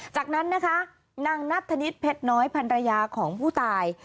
จากนั้นนะคะนางนัทธนิษฐเพชรน้อยพันรยาของผู้ตาย